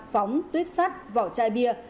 phóng tuyếp sắt vỏ chai bia